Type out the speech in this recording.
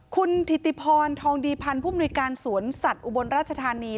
คุณถิติพรทองดีพันธ์ผู้มนุยการสวนสัตว์อุบลราชธานี